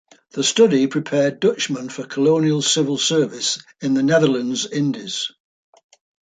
The study prepared Dutchmen for colonial civil service in the Netherlands Indies.